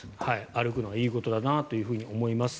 歩くことはいいことだなと思います。